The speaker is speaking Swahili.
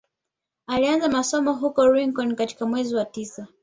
Alianza masomo huko Lincoln katika mwezi wa tisa